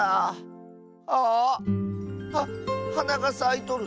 ああっ⁉ははながさいとる！